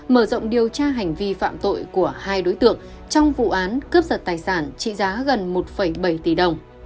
mở rộng điều tra hành vi phạm tội của hai đối tượng trong vụ án cướp giật tài sản trị giá gần một bảy tỷ đồng